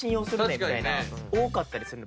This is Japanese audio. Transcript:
みたいな多かったりするんで。